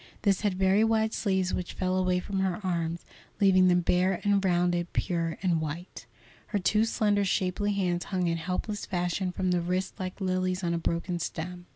This had very wide sleeves which fell away from her arms, leaving them bare and rounded, pure and white. Her two slender, shapely hands hung in helpless fashion from the wrists like lilies on a broken stem.